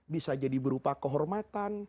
bisa jadi berupa kehormatan